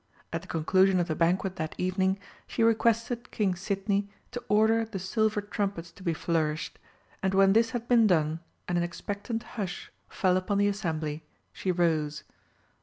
At the conclusion of the banquet that evening, she requested King Sidney to order the silver trumpets to be flourished, and when this had been done and an expectant hush fell upon the assembly, she rose.